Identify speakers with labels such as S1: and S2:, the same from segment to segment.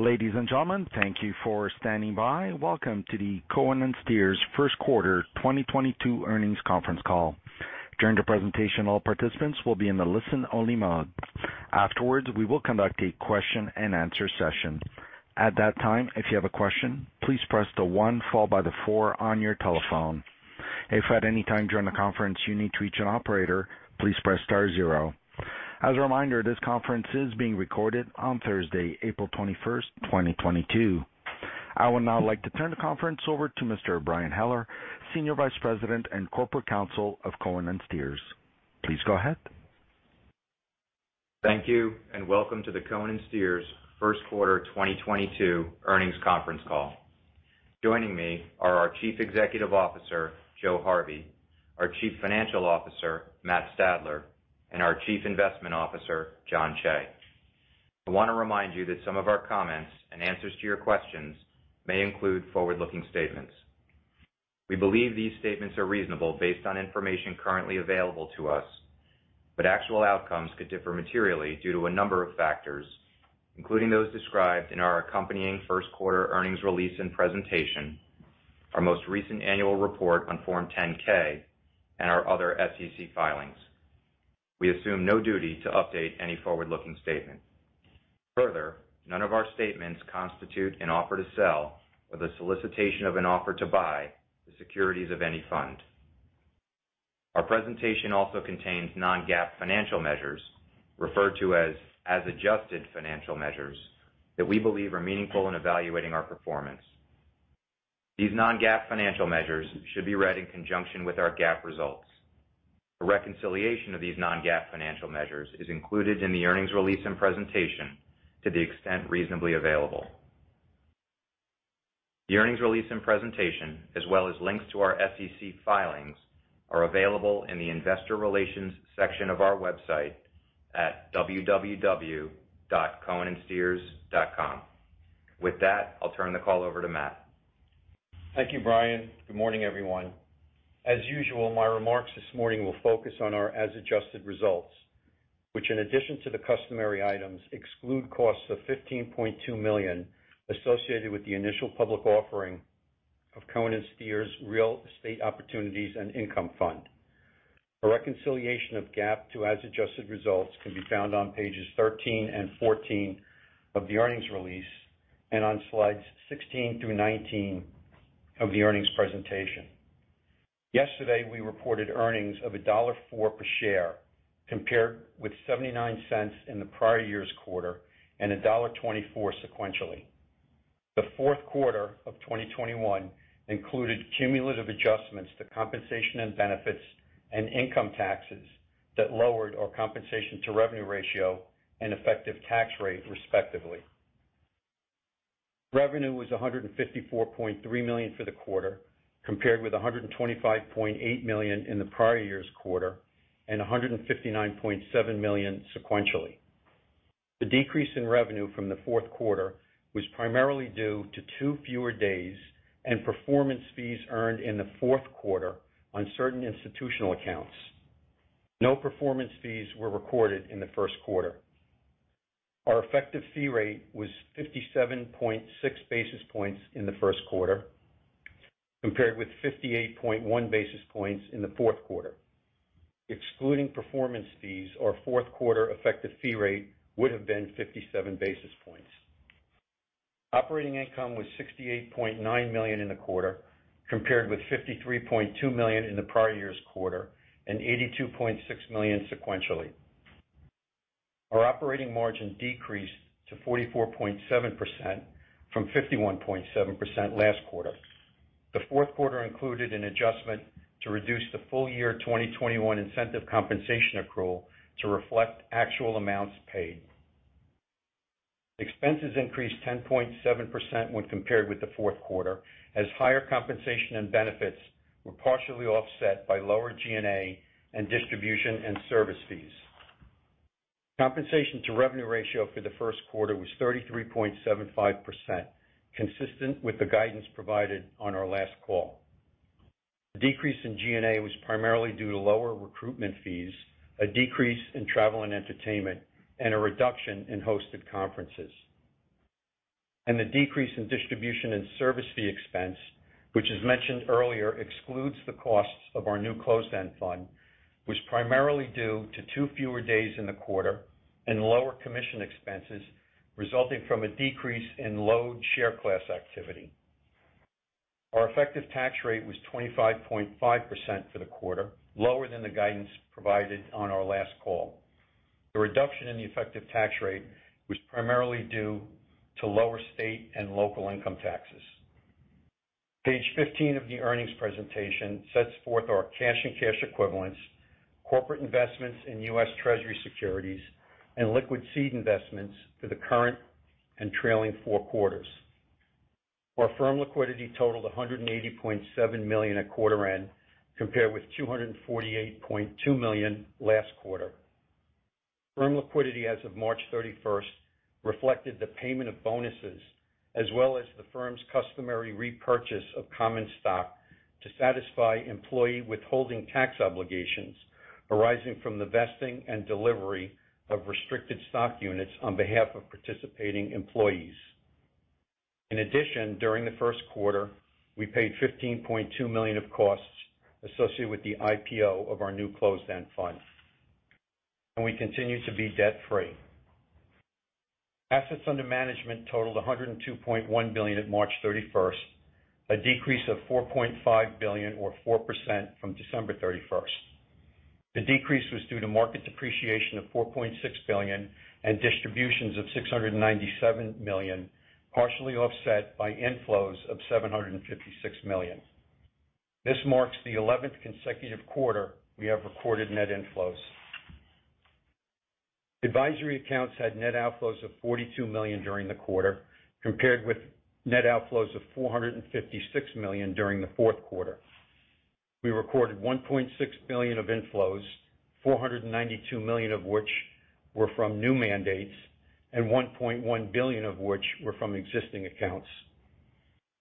S1: Ladies and gentlemen, thank you for standing by. Welcome to the Cohen & Steers First Quarter 2022 Earnings Conference Call. During the presentation, all participants will be in the listen-only mode. Afterwards, we will conduct a question-and-answer session. At that time, if you have a question, please press the one followed by the four on your telephone. If at any time during the conference you need to reach an operator, please press star zero. As a reminder, this conference is being recorded on Thursday, 21 April 2022. I would now like to turn the conference over to Mr. Brian Heller, Senior Vice President and Corporate Counsel of Cohen & Steers. Please go ahead.
S2: Thank you, and welcome to the Cohen & Steers First Quarter 2022 Earnings Conference Call. Joining me are our Chief Executive Officer, Joe Harvey, our Chief Financial Officer, Matt Stadler, and our Chief Investment Officer, Jon Cheigh. I want to remind you that some of our comments and answers to your questions may include forward-looking statements. We believe these statements are reasonable based on information currently available to us, but actual outcomes could differ materially due to a number of factors, including those described in our accompanying first quarter earnings release and presentation, our most recent annual report on Form 10-K and our other SEC filings. We assume no duty to update any forward-looking statement. Further, none of our statements constitute an offer to sell or the solicitation of an offer to buy the securities of any fund. Our presentation also contains non-GAAP financial measures referred to as-adjusted financial measures that we believe are meaningful in evaluating our performance. These non-GAAP financial measures should be read in conjunction with our GAAP results. A reconciliation of these non-GAAP financial measures is included in the earnings release and presentation to the extent reasonably available. The earnings release and presentation, as well as links to our SEC filings, are available in the investor relations section of our website at www.cohenandsteers.com. With that, I'll turn the call over to Matt.
S3: Thank you, Brian. Good morning, everyone. As usual, my remarks this morning will focus on our as-adjusted results, which in addition to the customary items, exclude costs of $15.2 million associated with the initial public offering of Cohen & Steers Real Estate Opportunities and Income Fund. A reconciliation of GAAP to as-adjusted results can be found on pages 13 and 14 of the earnings release and on slides 16 through 19 of the earnings presentation. Yesterday, we reported earnings of $1.04 per share, compared with $0.79 in the prior year's quarter and $1.24 sequentially. The fourth quarter of 2021 included cumulative adjustments to compensation and benefits and income taxes that lowered our compensation-to-revenue ratio and effective tax rate, respectively. Revenue was $154.3 million for the quarter, compared with $125.8 million in the prior year's quarter and $159.7 million sequentially. The decrease in revenue from the fourth quarter was primarily due to two fewer days and performance fees earned in the fourth quarter on certain institutional accounts. No performance fees were recorded in the first quarter. Our effective fee rate was 57.6-basis points in the first quarter, compared with 58.1-basis points in the fourth quarter. Excluding performance fees, our fourth quarter effective fee rate would have been 57-basis points. Operating income was $68.9 million in the quarter, compared with $53.2 million in the prior year's quarter and $82.6 million sequentially. Our operating margin decreased to 44.7% from 51.7% last quarter. The fourth quarter included an adjustment to reduce the full year 2021 incentive compensation accrual to reflect actual amounts paid. Expenses increased 10.7% when compared with the fourth quarter, as higher compensation and benefits were partially offset by lower G&A and distribution and service fees. Compensation-to-revenue ratio for the first quarter was 33.75%, consistent with the guidance provided on our last call. The decrease in G&A was primarily due to lower recruitment fees, a decrease in travel and entertainment, and a reduction in hosted conferences. The decrease in distribution and service fee expense, which as mentioned earlier excludes the costs of our new closed-end fund, was primarily due to two fewer days in the quarter and lower commission expenses resulting from a decrease in load share class activity. Our effective tax rate was 25.5% for the quarter, lower than the guidance provided on our last call. The reduction in the effective tax rate was primarily due to lower state and local income taxes. Page 15 of the earnings presentation sets forth our cash and cash equivalents, corporate investments in US. Treasury securities, and liquid seed investments for the current and trailing four quarters. Our firm liquidity totaled $180.7 million at quarter end, compared with $248.2 million last quarter. Firm liquidity as of 31 March 2022 reflected the payment of bonuses as well as the firm's customary repurchase of common stock to satisfy employee withholding tax obligations arising from the vesting and delivery of restricted stock units on behalf of participating employees. In addition, during the first quarter, we paid $15.2 million of costs associated with the IPO of our new closed-end fund, and we continue to be debt-free. Assets under management totaled $102.1 billion at 31 March 2022, a decrease of $4.5 billion or 4% from 31 December 2021. The decrease was due to market depreciation of $4.6 billion and distributions of $697 million, partially offset by inflows of $756 million. This marks the 11th consecutive quarter we have recorded net inflows. Advisory accounts had net outflows of $42 million during the quarter, compared with net outflows of $456 million during the fourth quarter. We recorded $1.6 billion of inflows, $492 million of which were from new mandates and $1.1 billion of which were from existing accounts.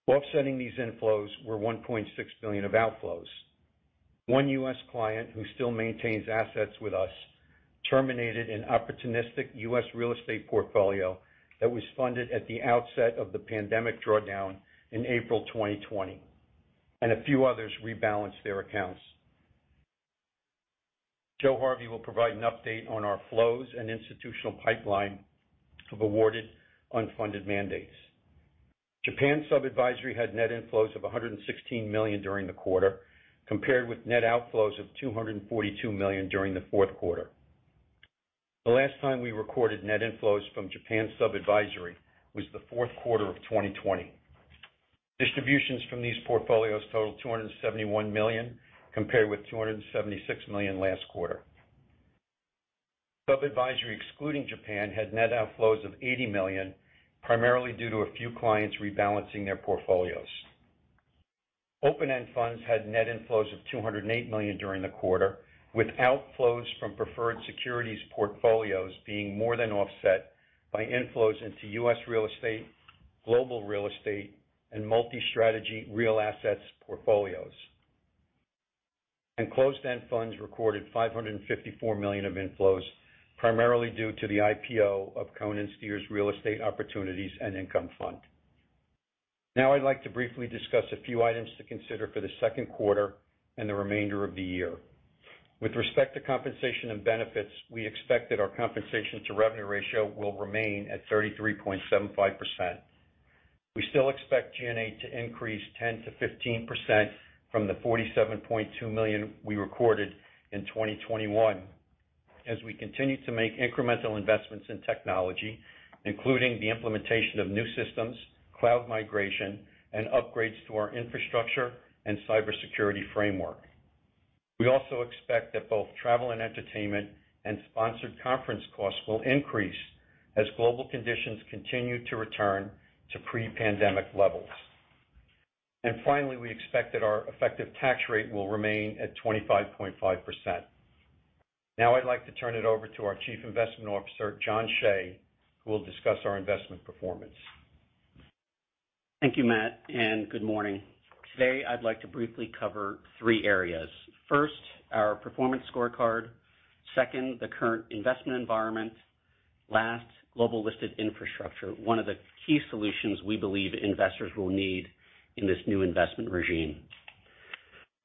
S3: Offsetting these inflows were $1.6 billion of outflows. One US client who still maintains assets with us terminated an opportunistic US real estate portfolio that was funded at the outset of the pandemic drawdown in April 2020, and a few others rebalanced their accounts. Joe Harvey will provide an update on our flows and institutional pipeline of awarded unfunded mandates. Japan sub-advisory had net inflows of $116 million during the quarter, compared with net outflows of $242 million during the fourth quarter. The last time we recorded net inflows from Japan sub-advisory was the fourth quarter of 2020. Distributions from these portfolios totaled $271 million, compared with $276 million last quarter. Sub-advisory, excluding Japan, had net outflows of $80 million, primarily due to a few clients rebalancing their portfolios. Open-end funds had net inflows of $208 million during the quarter, with outflows from preferred securities portfolios being more than offset by inflows into US real estate, global real estate, and multi-strategy real assets portfolios. Closed-end funds recorded $554 million of inflows, primarily due to the IPO of Cohen & Steers Real Estate Opportunities and Income Fund. Now I'd like to briefly discuss a few items to consider for the second quarter and the remainder of the year. With respect to compensation and benefits, we expect that our compensation-to-revenue ratio will remain at 33.75%. We still expect G&A to increase 10% to 15% from the $47.2 million we recorded in 2021 as we continue to make incremental investments in technology, including the implementation of new systems, cloud migration, and upgrades to our infrastructure and cybersecurity framework. We also expect that both travel and entertainment and sponsored conference costs will increase as global conditions continue to return to pre-pandemic levels. Finally, we expect that our effective tax rate will remain at 25.5%. Now I'd like to turn it over to our Chief Investment Officer, Jon Cheigh, who will discuss our investment performance.
S4: Thank you, Matt, and good morning. Today I'd like to briefly cover three areas. First, our performance scorecard. Second, the current investment environment. Last, global listed infrastructure, one of the key solutions we believe investors will need in this new investment regime.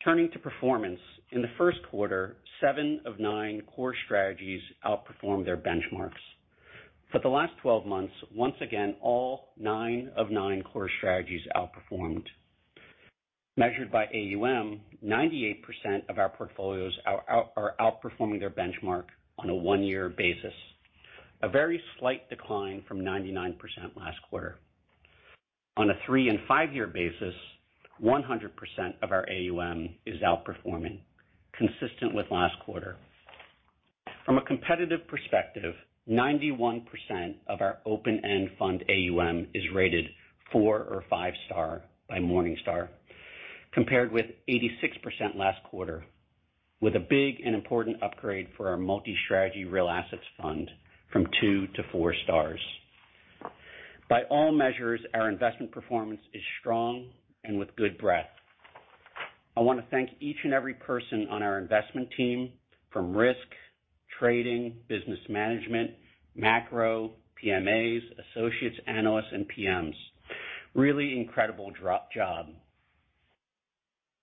S4: Turning to performance, in the first quarter, 7/9 core strategies outperformed their benchmarks. For the last 12 months, once again, all 9/9 core strategies outperformed. Measured by AUM, 98% of our portfolios are outperforming their benchmark on a one-year basis, a very slight decline from 99% last quarter. On a three and five-year basis, 100% of our AUM is outperforming, consistent with last quarter. From a competitive perspective, 91% of our open-end fund AUM is rated four or five stars by Morningstar, compared with 86% last quarter, with a big and important upgrade for our multi-strategy real assets fund from two to four stars. By all measures, our investment performance is strong and with good breadth. I want to thank each and every person on our investment team from risk, trading, business management, macro, PMAs, associates, analysts, and PMs. Really incredible job.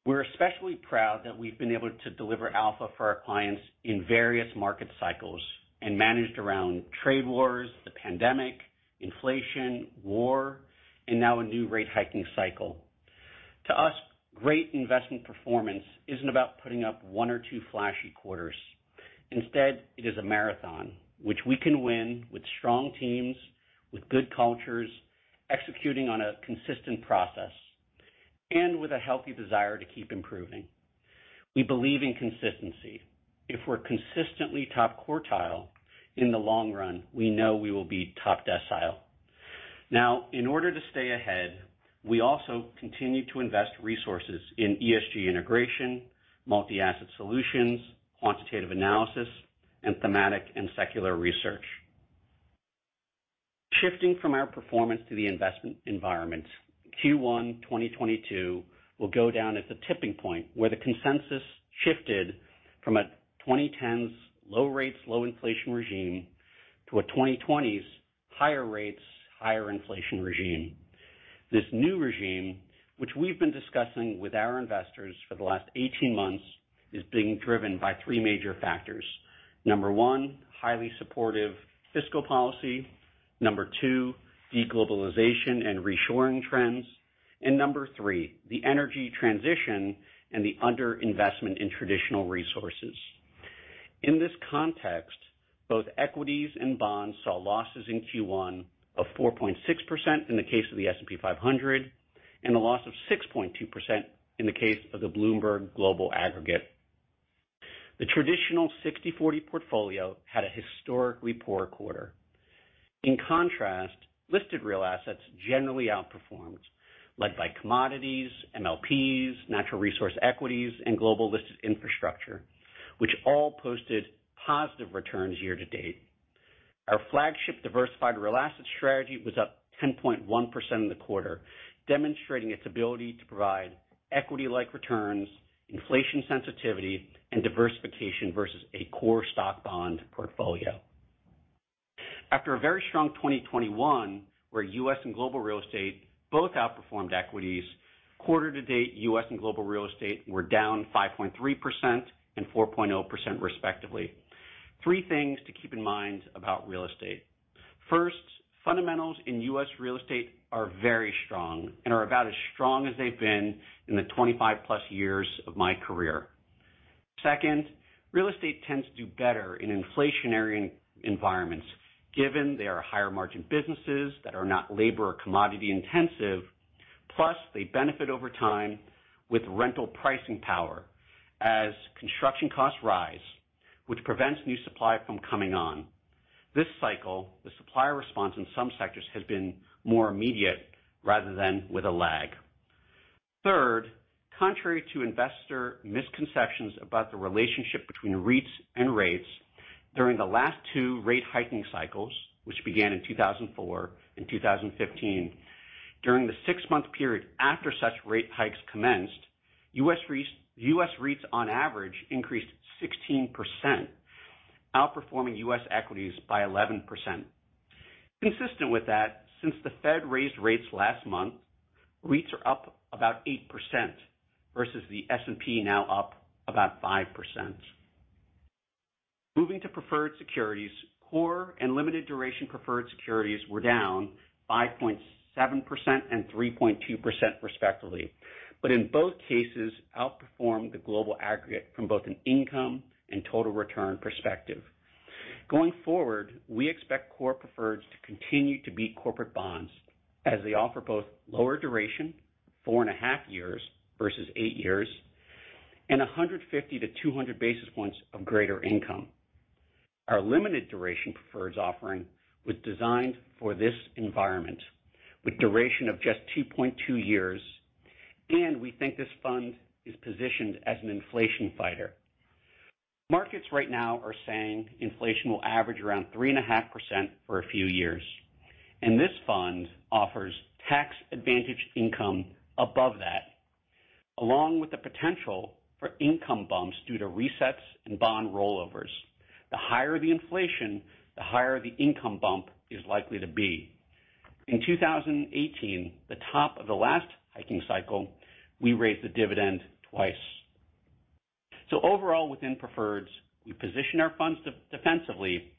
S4: We're especially proud that we've been able to deliver alpha for our clients in various market cycles and managed around trade wars, the pandemic, inflation, war, and now a new rate hiking cycle. To us, great investment performance isn't about putting up one or two flashy quarters. Instead, it is a marathon which we can win with strong teams, with good cultures, executing on a consistent process, and with a healthy desire to keep improving. We believe in consistency. If we're consistently top quartile, in the long run, we know we will be top decile. Now, in order to stay ahead. We also continue to invest resources in ESG integration, multi-asset solutions, quantitative analysis, and thematic and secular research. Shifting from our performance to the investment environment, first quarter 2022 will go down as the tipping point where the consensus shifted from a 2010s low rates, low inflation regime, to 2020s higher rates, higher inflation regime. This new regime, which we've been discussing with our investors for the last 18 months, is being driven by three major factors. Number one, highly supportive fiscal policy. Number two, de-globalization and reshoring trends. Number three, the energy transition and the under-investment in traditional resources. In this context, both equities and bonds saw losses in first quarter of 4.6% in the case of the S&P 500, and a loss of 6.2% in the case of the Bloomberg Global Aggregate. The traditional 60/40 portfolio had a historically poor quarter. In contrast, listed real assets generally outperformed, led by commodities, MLPs, natural resource equities, and global listed infrastructure, which all posted positive returns year-to-date. Our flagship diversified real asset strategy was up 10.1% in the quarter, demonstrating its ability to provide equity-like returns, inflation sensitivity, and diversification versus a core stock bond portfolio. After a very strong 2021, where US and global real estate both outperformed equities, quarter to date, US and global real estate were down 5.3% and 4.0%, respectively. Three things to keep in mind about real estate. First, fundamentals in US real estate are very strong and are about as strong as they've been in the 25+ years of my career. Second, real estate tends to do better in inflationary environments, given they are higher margin businesses that are not labor or commodity intensive, plus they benefit over time with rental pricing power as construction costs rise, which prevents new supply from coming on. This cycle, the supplier response in some sectors has been more immediate rather than with a lag. Third, contrary to investor misconceptions about the relationship between REITs and rates, during the last two rate hiking cycles, which began in 2004 and 2015, during the six-month period after such rate hikes commenced, US REITs on average increased 16%, outperforming US equities by 11%. Consistent with that, since the Fed raised rates last month, REITs are up about 8% versus the S&P now up about 5%. Moving to preferred securities, core and limited duration preferred securities were down 5.7% and 3.2% respectively, but in both cases outperformed the global aggregate from both an income and total return perspective. Going forward, we expect core preferreds to continue to beat corporate bonds as they offer both lower duration, 4.5 years versus eight years, and 150 to 200-basis points of greater income. Our limited duration preferred offering was designed for this environment with duration of just 2.2 years, and we think this fund is positioned as an inflation fighter. Markets right now are saying inflation will average around 3.5% for a few years, and this fund offers tax-advantaged income above that, along with the potential for income bumps due to resets and bond rollovers. The higher the inflation, the higher the income bump is likely to be. In 2018, the top of the last hiking cycle, we raised the dividend twice. Overall, within preferreds, we position our funds de-defensively.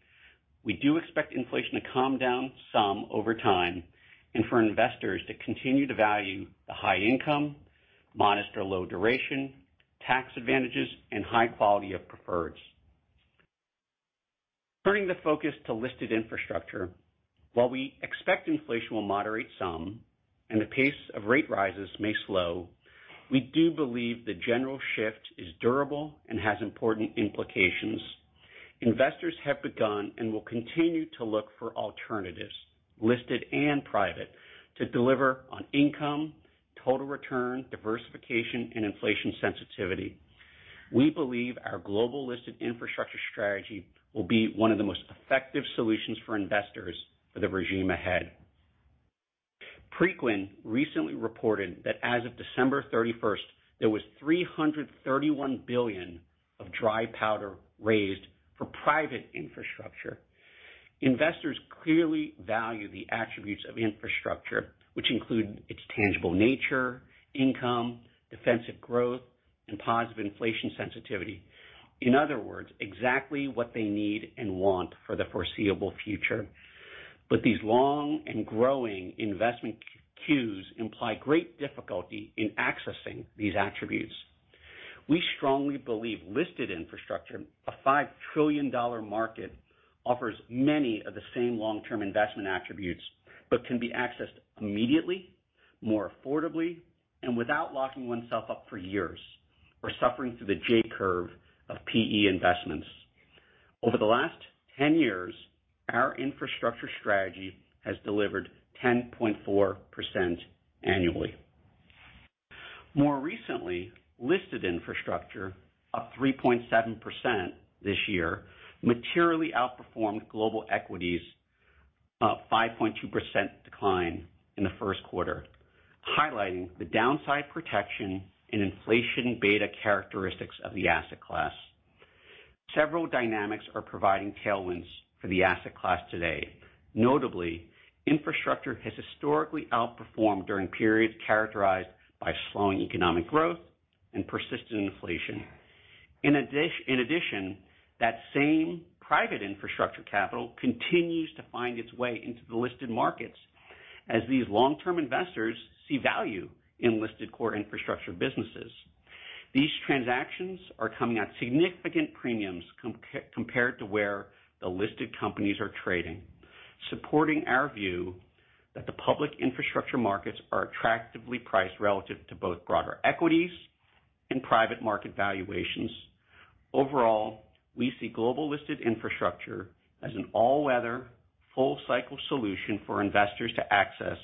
S4: We do expect inflation to calm down some over time and for investors to continue to value the high income, modest or low duration, tax advantages, and high quality of preferreds. Turning the focus to listed infrastructure. While we expect inflation will moderate some and the pace of rate rises may slow, we do believe the general shift is durable and has important implications. Investors have begun and will continue to look for alternatives, listed and private, to deliver on income, total return, diversification, and inflation sensitivity. We believe our global listed infrastructure strategy will be one of the most effective solutions for investors for the regime ahead. Preqin recently reported that as of 31 December 2021, there was $331 billion of dry powder raised for private infrastructure. Investors clearly value the attributes of infrastructure, which include its tangible nature, income, defensive growth, and positive inflation sensitivity. In other words, exactly what they need and want for the foreseeable future. These long and growing investment queues imply great difficulty in accessing these attributes. We strongly believe listed infrastructure, a $5 trillion market, offers many of the same long-term investment attributes, but can be accessed immediately, more affordably, and without locking oneself up for years or suffering through the J-curve of PE investments. Over the last 10 years, our infrastructure strategy has delivered 10.4% annually. More recently, listed infrastructure up 3.7% this year, materially outperformed global equities of 5.2% decline in the first quarter, highlighting the downside protection and inflation beta characteristics of the asset class. Several dynamics are providing tailwinds for the asset class today. Notably, infrastructure has historically outperformed during periods characterized by slowing economic growth and persistent inflation. In addition, that same private infrastructure capital continues to find its way into the listed markets as these long-term investors see value in listed core infrastructure businesses. These transactions are coming at significant premiums compared to where the listed companies are trading, supporting our view that the public infrastructure markets are attractively priced relative to both broader equities and private market valuations. Overall, we see global listed infrastructure as an all-weather full cycle solution for investors to access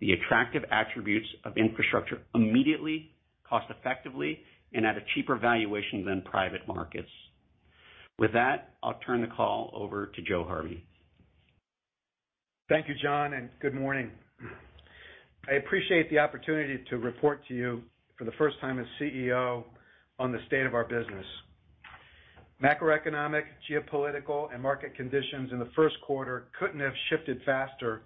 S4: the attractive attributes of infrastructure immediately, cost effectively, and at a cheaper valuation than private markets. With that, I'll turn the call over to Joe Harvey.
S5: Thank you, Jon, and good morning. I appreciate the opportunity to report to you for the first time as CEO on the state of our business. Macroeconomic, geopolitical, and market conditions in the first quarter couldn't have shifted faster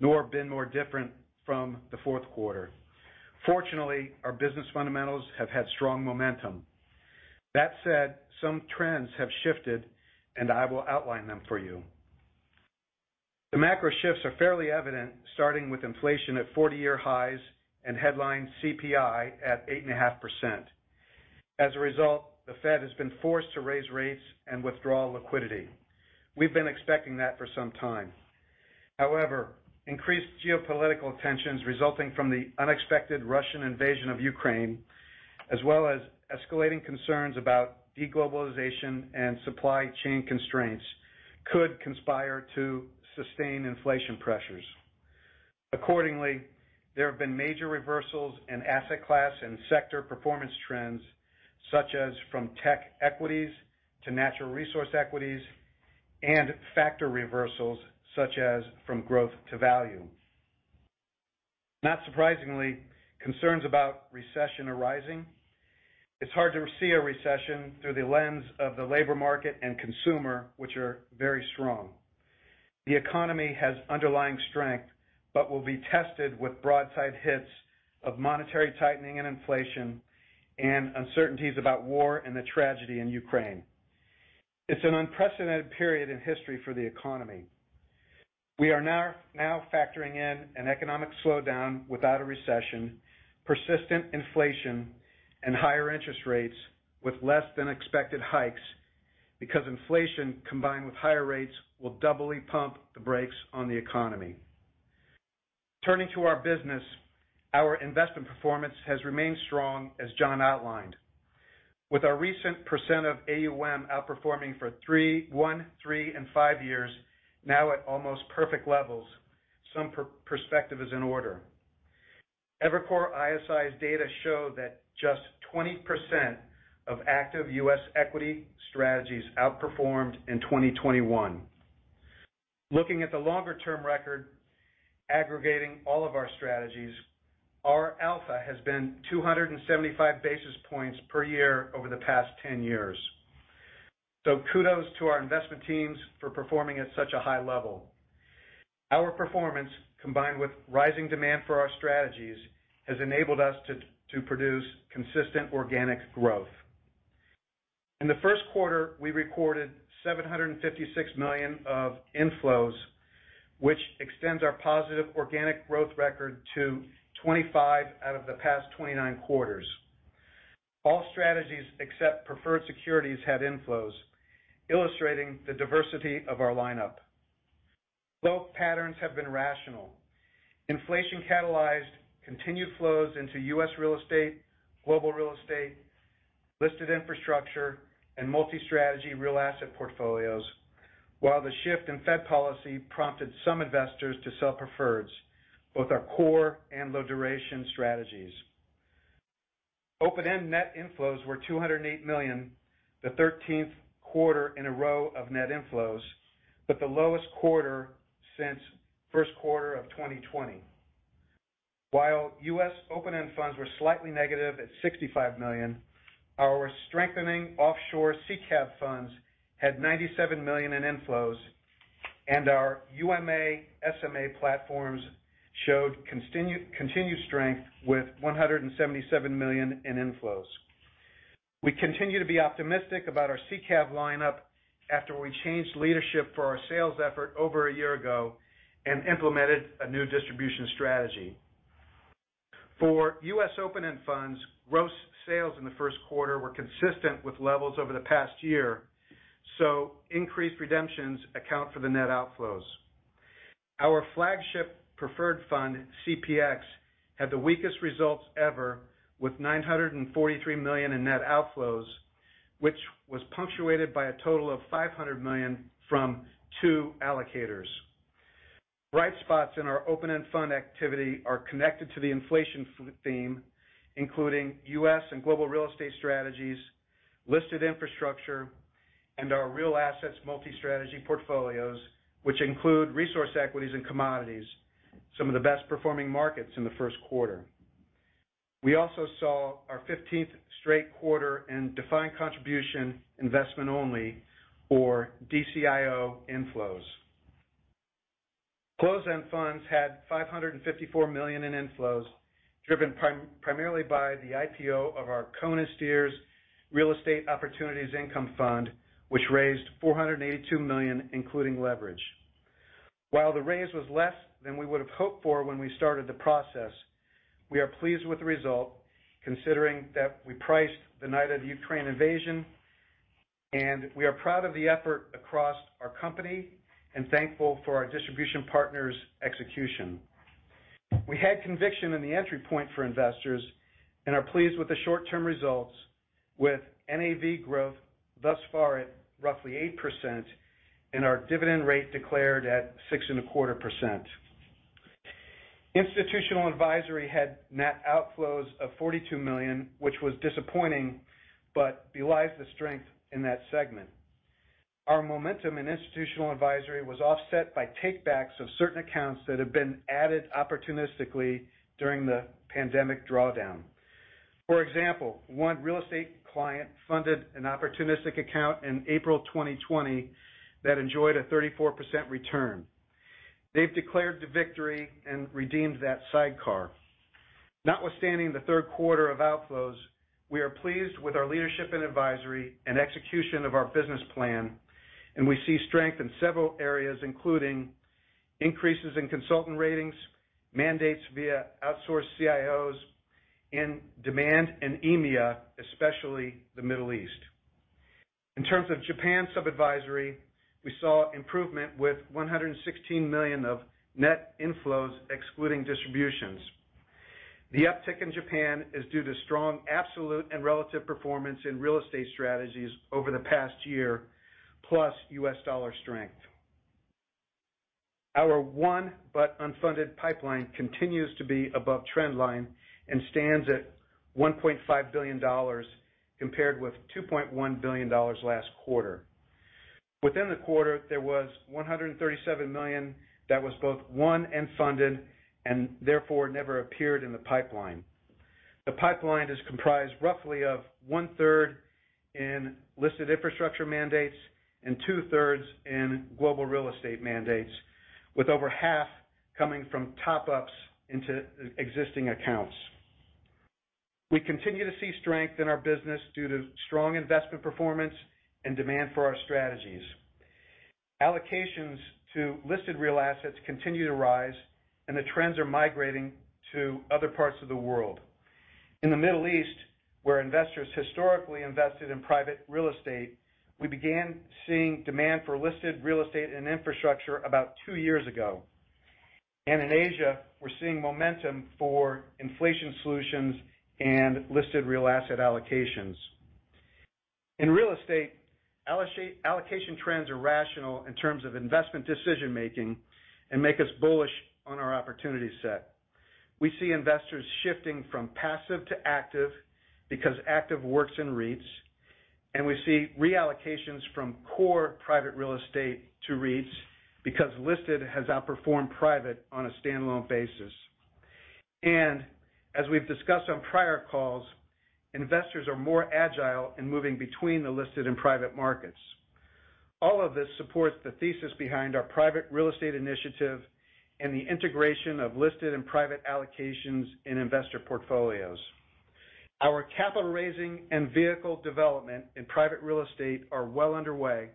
S5: nor been more different from the fourth quarter. Fortunately, our business fundamentals have had strong momentum. That said, some trends have shifted, and I will outline them for you. The macro shifts are fairly evident, starting with inflation at 40-year highs and headline CPI at 8.5%. As a result, the Fed has been forced to raise rates and withdraw liquidity. We've been expecting that for some time. However, increased geopolitical tensions resulting from the unexpected Russian invasion of Ukraine, as well as escalating concerns about de-globalization and supply chain constraints could conspire to sustain inflation pressures. Accordingly, there have been major reversals in asset class and sector performance trends, such as from tech equities to natural resource equities, and factor reversals such as from growth to value. Not surprisingly, concerns about recession are rising. It's hard to see a recession through the lens of the labor market and consumer, which are very strong. The economy has underlying strength, but will be tested with broadside hits of monetary tightening and inflation and uncertainties about war and the tragedy in Ukraine. It's an unprecedented period in history for the economy. We are now factoring in an economic slowdown without a recession, persistent inflation, and higher interest rates with less than expected hikes because inflation, combined with higher rates, will doubly pump the brakes on the economy. Turning to our business, our investment performance has remained strong as Jon outlined. With our recent percentage of AUM outperforming for one, three, and five years now at almost perfect levels, some perspective is in order. Evercore ISI's data show that just 20% of active US equity strategies outperformed in 2021. Looking at the longer-term record aggregating all of our strategies, our alpha has been 275-basis points per year over the past 10 years. Kudos to our investment teams for performing at such a high level. Our performance, combined with rising demand for our strategies, has enabled us to produce consistent organic growth. In the first quarter, we recorded $756 million of inflows, which extends our positive organic growth record to 25 out of the past 29 quarters. All strategies except preferred securities had inflows, illustrating the diversity of our lineup. Flow patterns have been rational. Inflation catalyzed continued flows into US real estate, global real estate, listed infrastructure, and multi-strategy real asset portfolios, while the shift in Fed policy prompted some investors to sell preferreds, both our core and low duration strategies. Open-end net inflows were $208 million, the 13th quarter in a row of net inflows, but the lowest quarter since first quarter of 2020. While US open-end funds were slightly negative at $65 million, our strengthening offshore CCAP funds had $97 million in inflows, and our UMA SMA platforms showed continued strength with $177 million in inflows. We continue to be optimistic about our CCAP lineup after we changed leadership for our sales effort over a year ago and implemented a new distribution strategy. For US open-end funds, gross sales in the first quarter were consistent with levels over the past year, so increased redemptions account for the net outflows. Our flagship preferred fund, CPX, had the weakest results ever with $943 million in net outflows, which was punctuated by a total of $500 million from two allocators. Bright spots in our open-end fund activity are connected to the inflation theme, including US and global real estate strategies, listed infrastructure, and our real assets multi-strategy portfolios, which include resource equities and commodities, some of the best-performing markets in the first quarter. We also saw our 15th straight quarter in defined contribution investment only, or DCIO inflows. Closed-end funds had $554 million in inflows, driven primarily by the IPO of our Cohen & Steers Real Estate Opportunities and Income Fund, which raised $482 million, including leverage. While the raise was less than we would have hoped for when we started the process, we are pleased with the result, considering that we priced the night of the Ukraine invasion, and we are proud of the effort across our company and thankful for our distribution partners' execution. We had conviction in the entry point for investors and are pleased with the short-term results with NAV growth thus far at roughly 8% and our dividend rate declared at 6.25%. Institutional advisory had net outflows of $42 million, which was disappointing, but belies the strength in that segment. Our momentum in institutional advisory was offset by take-backs of certain accounts that have been added opportunistically during the pandemic drawdown. For example, one real estate client funded an opportunistic account in April 2020 that enjoyed a 34% return. They've declared the victory and redeemed that sidecar. Notwithstanding the third quarter of outflows, we are pleased with our leadership and advisory and execution of our business plan, and we see strength in several areas, including increases in consultant ratings, mandates via outsourced CIOs, and demand in EMEA, especially the Middle East. In terms of Japan sub-advisory, we saw improvement with $116 million of net inflows excluding distributions. The uptick in Japan is due to strong absolute and relative performance in real estate strategies over the past year, plus US dollar strength. Our won but unfunded pipeline continues to be above trend line and stands at $1.5 billion compared with $2.1 billion last quarter. Within the quarter, there was $137 million that was both won and funded, and therefore never appeared in the pipeline. The pipeline is comprised roughly of 1/3 in listed infrastructure mandates and 2/3 in global real estate mandates, with over half coming from top-ups into existing accounts. We continue to see strength in our business due to strong investment performance and demand for our strategies. Allocations to listed real assets continue to rise, and the trends are migrating to other parts of the world. In the Middle East, where investors historically invested in private real estate, we began seeing demand for listed real estate and infrastructure about two years ago. In Asia, we're seeing momentum for inflation solutions and listed real asset allocations. In real estate, allocation trends are rational in terms of investment decision-making and make us bullish on our opportunity set. We see investors shifting from passive to active because active works in REITs, and we see reallocations from core private real estate to REITs because listed has outperformed private on a standalone basis. As we've discussed on prior calls, investors are more agile in moving between the listed and private markets. All of this supports the thesis behind our private real estate initiative and the integration of listed and private allocations in investor portfolios. Our capital raising and vehicle development in private real estate are well underway.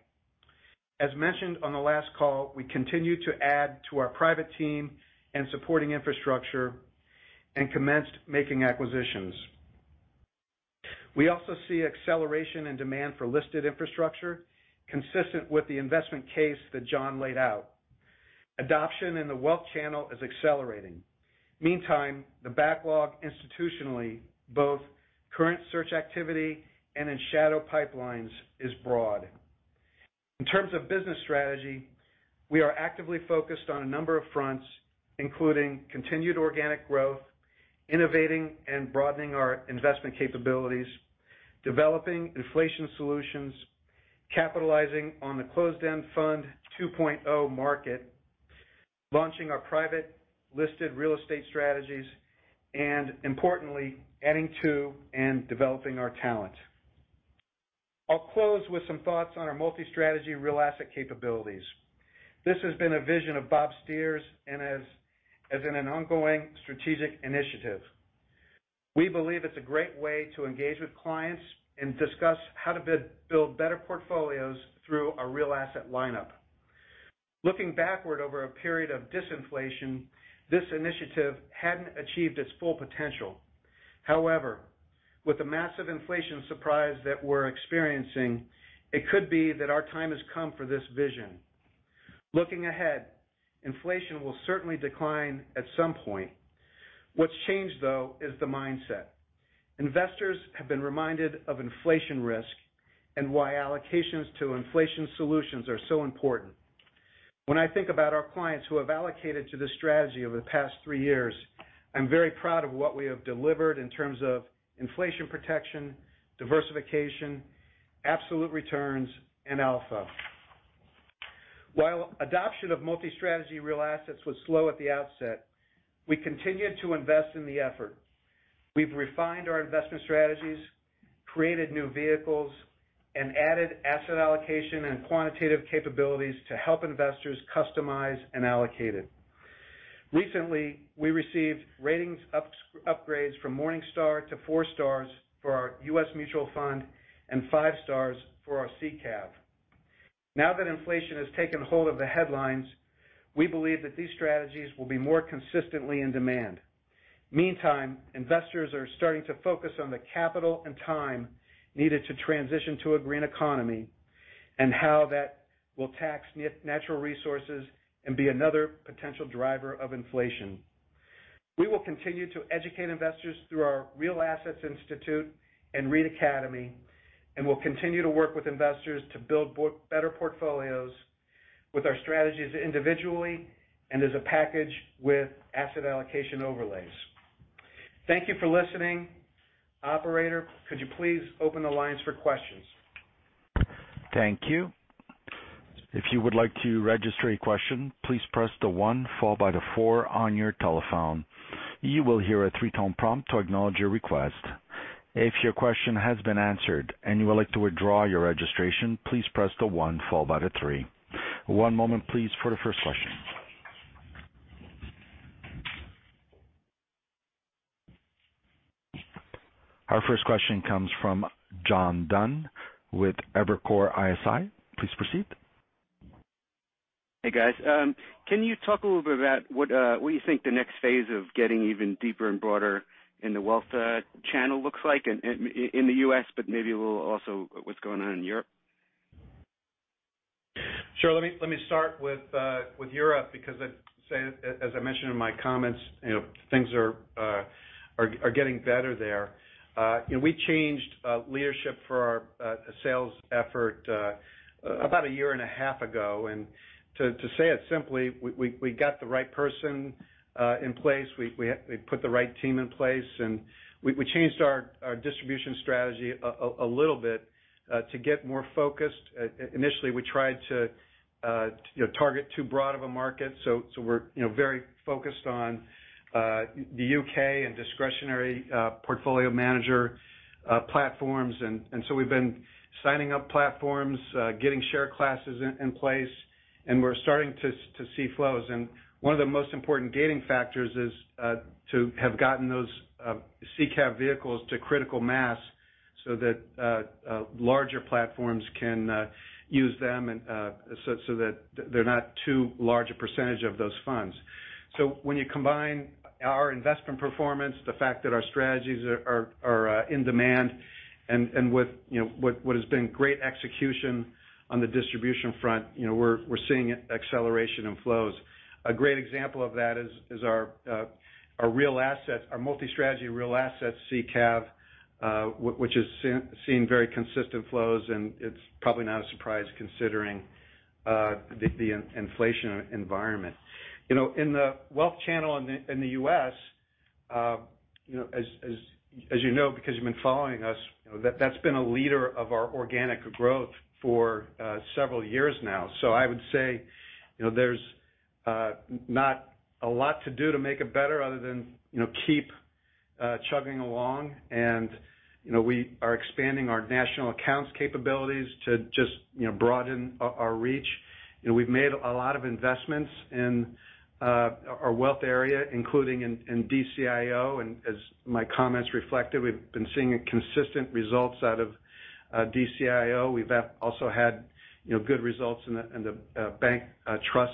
S5: As mentioned on the last call, we continue to add to our private team and supporting infrastructure and commenced making acquisitions. We also see acceleration in demand for listed infrastructure consistent with the investment case that Jon laid out. Adoption in the wealth channel is accelerating. Meantime, the backlog institutionally, both current search activity and in shadow pipelines, is broad. In terms of business strategy, we are actively focused on a number of fronts, including continued organic growth, innovating and broadening our investment capabilities, developing inflation solutions, capitalizing on the closed-end fund 2.0 market, launching our private listed real estate strategies, and importantly, adding to and developing our talent. I'll close with some thoughts on our multi-strategy real asset capabilities. This has been a vision of Bob Steers and as in an ongoing strategic initiative. We believe it's a great way to engage with clients and discuss how to build better portfolios through our real asset lineup. Looking backward over a period of disinflation, this initiative hadn't achieved its full potential. However, with the massive inflation surprise that we're experiencing, it could be that our time has come for this vision. Looking ahead, inflation will certainly decline at some point. What's changed, though, is the mindset. Investors have been reminded of inflation risk and why allocations to inflation solutions are so important. When I think about our clients who have allocated to this strategy over the past three years, I'm very proud of what we have delivered in terms of inflation protection, diversification, absolute returns, and alpha. While adoption of multi-strategy real assets was slow at the outset, we continued to invest in the effort. We've refined our investment strategies, created new vehicles, and added asset allocation and quantitative capabilities to help investors customize and allocate it. Recently, we received upgrades from Morningstar to four stars for our US Mutual Fund and five stars for our SICAV. Now that inflation has taken hold of the headlines, we believe that these strategies will be more consistently in demand. Meantime, investors are starting to focus on the capital and time needed to transition to a green economy and how that will tax natural resources and be another potential driver of inflation. We will continue to educate investors through our Real Assets Institute and REIT Academy, and we'll continue to work with investors to build better portfolios with our strategies individually and as a package with asset allocation overlays. Thank you for listening. Operator, could you please open the lines for questions?
S1: Thank you. If you would like to register a question, please press one followed by four on your telephone. You will hear a three-tone prompt to acknowledge your request. If your question has been answered and you would like to withdraw your registration, please press one followed by three. One moment, please, for the first question. Our first question comes from John Dunn with Evercore ISI. Please proceed.
S6: Hey, guys. Can you talk a little bit about what you think the next phase of getting even deeper and broader in the wealth channel looks like in the US, but maybe a little also what's going on in Europe?
S5: Sure. Let me start with Europe because I'd say, as I mentioned in my comments, you know, things are getting better there. We changed leadership for our sales effort about a year and a half ago. To say it simply, we got the right person in place. We put the right team in place, and we changed our distribution strategy a little bit to get more focused. Initially, we tried to, you know, target too broad of a market. We're, you know, very focused on the UK and discretionary portfolio manager platforms. We've been signing up platforms, getting share classes in place, and we're starting to see flows. One of the most important gating factors is to have gotten those SICAV vehicles to critical mass so that larger platforms can use them and so that they're not too large a percentage of those funds. When you combine our investment performance, the fact that our strategies are in demand and with, you know, with what has been great execution on the distribution front, you know, we're seeing acceleration in flows. A great example of that is our real assets, our multi-strategy real assets SICAV, which is seeing very consistent flows, and it's probably not a surprise considering the inflation environment. You know, in the wealth channel in the US, you know, as you know, because you've been following us, you know, that's been a leader of our organic growth for several years now. I would say, you know, there's not a lot to do to make it better other than, you know, keep chugging along. You know, we are expanding our national accounts capabilities to just, you know, broaden our reach. You know, we've made a lot of investments in our wealth area, including in DCIO. As my comments reflected, we've been seeing a consistent results out of DCIO. We've also had, you know, good results in the bank trust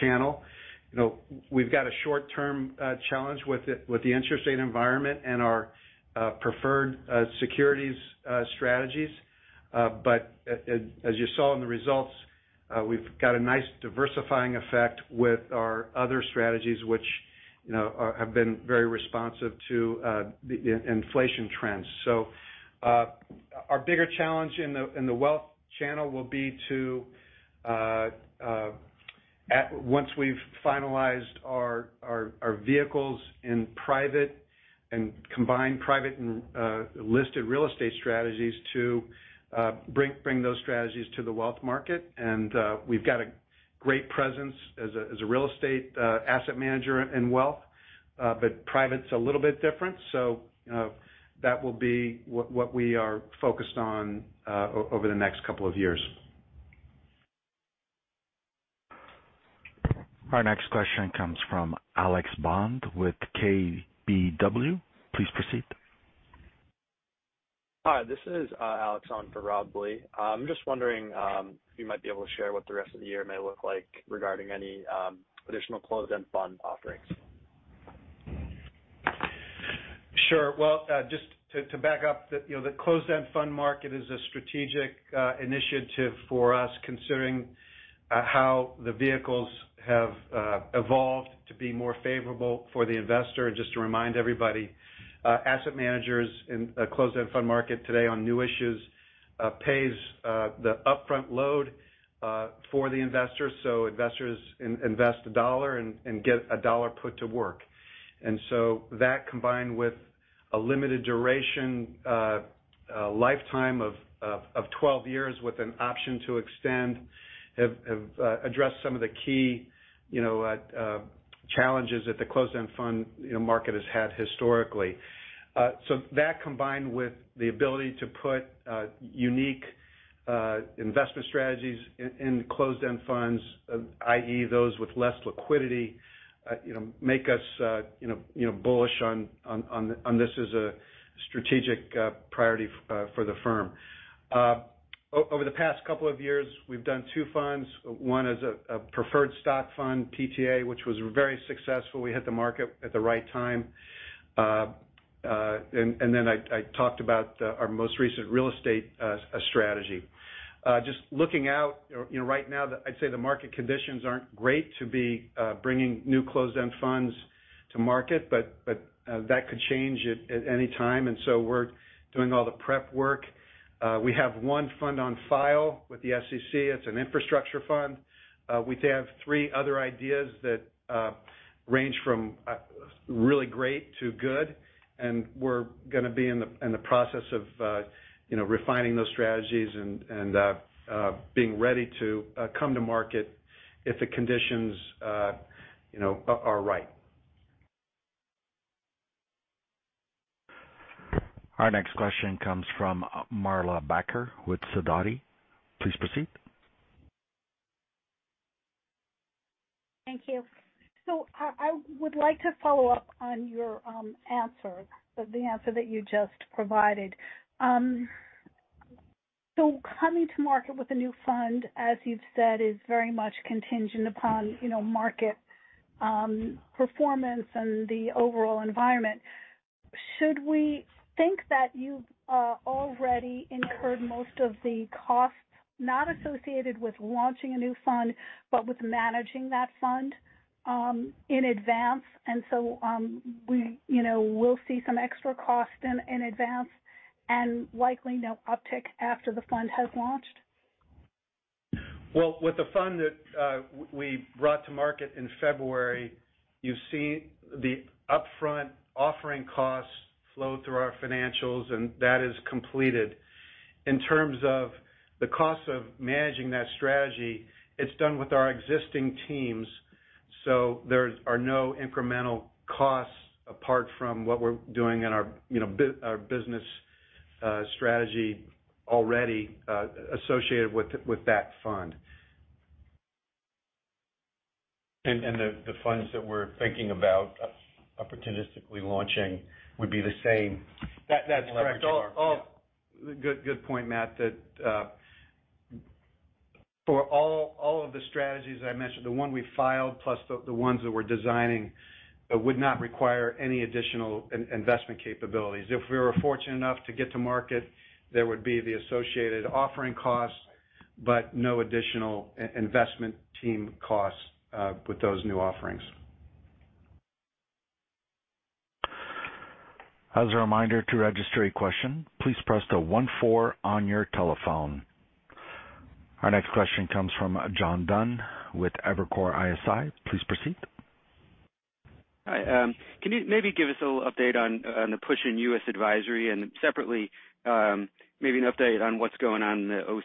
S5: channel. You know, we've got a short-term challenge with the interest rate environment and our preferred securities strategies. But as you saw in the results, we've got a nice diversifying effect with our other strategies which, you know, have been very responsive to the inflation trends. Our bigger challenge in the wealth channel will be to once we've finalized our vehicles in private and combined private and listed real estate strategies to bring those strategies to the wealth market. We've got a great presence as a real estate asset manager in wealth. But private's a little bit different, so you know that will be what we are focused on over the next couple of years.
S1: Our next question comes from Alex Bond with KBW. Please proceed.
S7: Hi, this is Alex on for Rob Lee. I'm just wondering if you might be able to share what the rest of the year may look like regarding any additional closed-end fund offerings.
S5: Sure. Well, just to back up, you know, the closed-end fund market is a strategic initiative for us considering how the vehicles have evolved to be more favorable for the investor. Just to remind everybody, asset managers in a closed-end fund market today on new issues pays the upfront load for the investors. So, investors invest a dollar and get a dollar put to work. That combined with a limited duration lifetime of 12 years with an option to extend have addressed some of the key, you know, challenges that the closed-end fund, you know, market has had historically. That combined with the ability to put unique investment strategies in closed-end funds, i.e., those with less liquidity, you know, make us you know bullish on this as a strategic priority for the firm. Over the past couple of years, we've done two funds. One is a preferred stock fund, PTA, which was very successful. We hit the market at the right time. Then I talked about our most recent real estate strategy. Just looking out, you know, right now, I'd say the market conditions aren't great to be bringing new closed-end funds to market, but that could change at any time. We're doing all the prep work. We have one fund on file with the SEC. It's an infrastructure fund. We have three other ideas that range from really great to good, and we're gonna be in the process of, you know, refining those strategies and being ready to come to market if the conditions, you know, are right.
S1: Our next question comes from Marla Backer with Sidoti. Please proceed.
S8: Thank you. I would like to follow up on your answer, the answer that you just provided. Coming to market with a new fund, as you've said, is very much contingent upon market performance and the overall environment. Should we think that you've already incurred most of the costs, not associated with launching a new fund, but with managing that fund in advance? We'll see some extra cost in advance and likely no uptick after the fund has launched.
S5: Well, with the fund that we brought to market in February, you see the upfront offering costs flow through our financials, and that is completed. In terms of the cost of managing that strategy, it's done with our existing teams, so there are no incremental costs apart from what we're doing in our, you know, our business strategy already, associated with that fund.
S3: The funds that we're thinking about opportunistically launching would be the same. That's correct... Good point, Matt, for all of the strategies I mentioned, the one we filed plus the ones that we're designing would not require any additional investment capabilities. If we were fortunate enough to get to market, there would be the associated offering costs, but no additional investment team costs with those new offerings.
S1: As a reminder to register a question, please press the one, four on your telephone. Our next question comes from John Dunn with Evercore ISI. Please proceed.
S6: Hi. Can you maybe give us a little update on the push in US advisory and separately, maybe an update on what's going on in the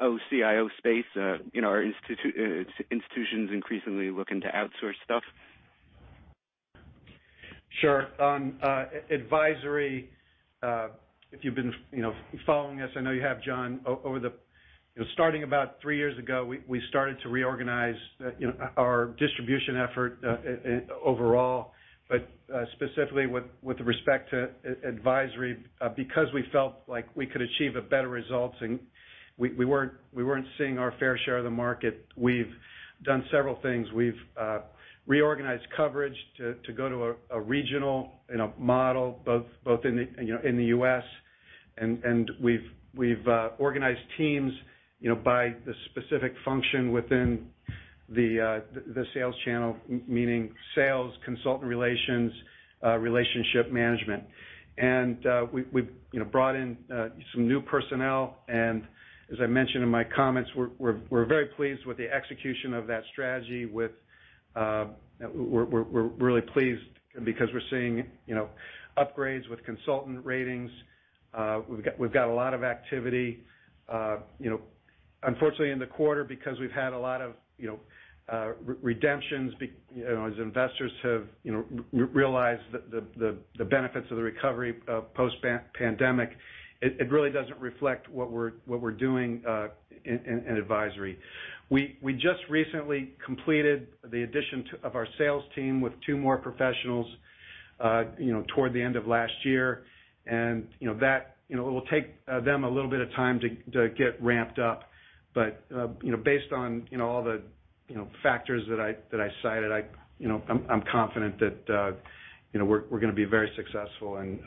S6: OCIO space? You know, are institutions increasingly looking to outsource stuff?
S5: Sure. Advisory, if you've been, you know, following us, I know you have, John. Starting about three years ago, we started to reorganize, you know, our distribution effort, overall, but specifically with respect to advisory, because we felt like we could achieve a better results and we weren't seeing our fair share of the market. We've done several things. We've reorganized coverage to go to a regional, you know, model both in the US. We've organized teams, you know, by the specific function within the sales channel, meaning sales, consultant relations, relationship management. We've, you know, brought in some new personnel. As I mentioned in my comments, we're very pleased with the execution of that strategy. We're really pleased because we're seeing, you know, upgrades with consultant ratings. We've got a lot of activity. You know, unfortunately, in the quarter, because we've had a lot of, you know, redemptions, you know, as investors have, you know, realized the benefits of the recovery, post-pan-pandemic, it really doesn't reflect what we're doing in advisory. We just recently completed the addition of our sales team with two more professionals. You know, toward the end of last year, and, you know, that, you know, it will take them a little bit of time to get ramped up. You know, based on all the factors that I cited, you know, I'm confident that, you know, we're gonna be very successful in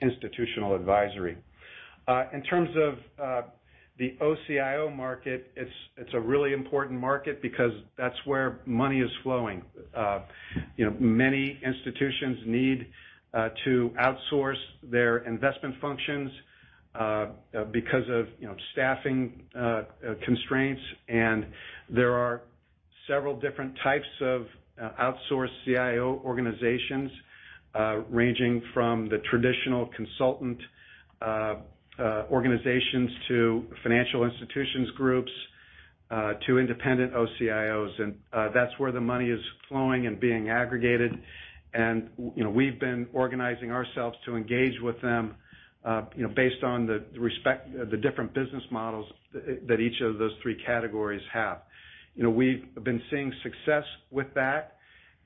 S5: institutional advisory. In terms of the OCIO market, it's a really important market because that's where money is flowing. You know, many institutions need to outsource their investment functions because of staffing constraints. There are several different types of outsourced CIO organizations ranging from the traditional consultant organizations to financial institutions groups to independent OCIOs. That's where the money is flowing and being aggregated. You know, we've been organizing ourselves to engage with them, you know, based on the respective different business models that each of those three categories have. You know, we've been seeing success with that,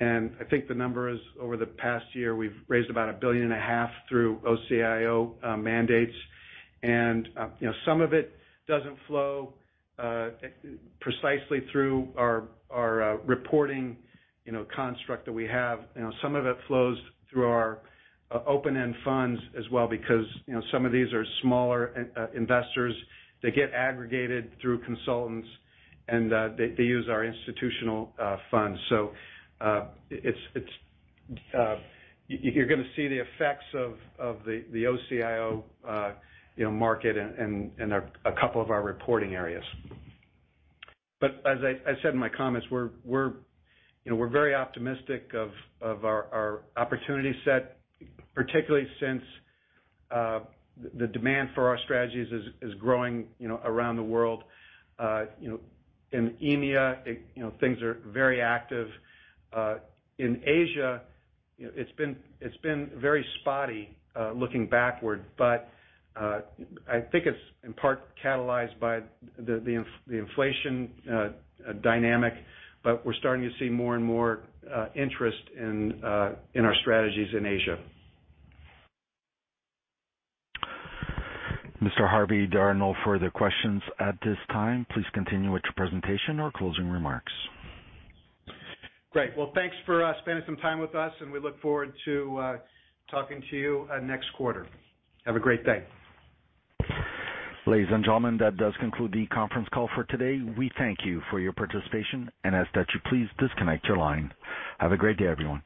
S5: and I think the number is over the past year, we've raised about $1.5 billion through OCIO mandates. You know, some of it doesn't flow precisely through our reporting construct that we have. You know, some of it flows through our open-end funds as well because, you know, some of these are smaller investors. They get aggregated through consultants and they use our institutional funds. You're gonna see the effects of the OCIO market in a couple of our reporting areas. As I said in my comments, we're very optimistic of our opportunity set, particularly since the demand for our strategies is growing, you know, around the world. You know, in EMEA, things are very active. In Asia, you know, it's been very spotty looking backward, but I think it's in part catalyzed by the inflation dynamic. We're starting to see more and more interest in our strategies in Asia.
S1: Mr. Harvey, there are no further questions at this time. Please continue with your presentation or closing remarks.
S5: Great. Well, thanks for spending some time with us, and we look forward to talking to you next quarter. Have a great day.
S1: Ladies and gentlemen, that does conclude the conference call for today. We thank you for your participation and ask that you please disconnect your line. Have a great day, everyone.